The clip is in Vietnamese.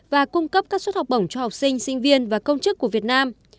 và cung cấp các suất học bổng cho học sinh sinh viên và công chức của việt nam